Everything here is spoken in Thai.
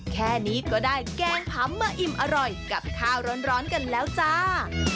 แค่นี้ก็ได้แกงผำมาอิ่มอร่อยกับข้าวร้อนกันแล้วจ้า